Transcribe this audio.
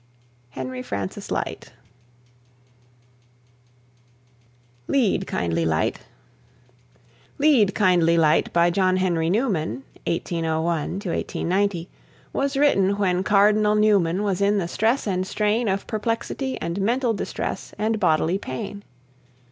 HENRY FRANCIS LYTE. LEAD, KINDLY LIGHT "Lead, Kindly Light," by John Henry Newman (1801 90), was written when Cardinal Newman was in the stress and strain of perplexity and mental distress and bodily pain.